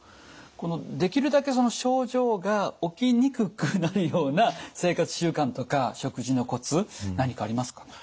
このできるだけ症状が起きにくくなるような生活習慣とか食事のコツ何かありますか？